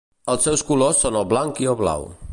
Els seus colors són el blanc i el blau.